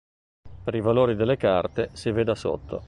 Per i valori delle carte, si veda sotto.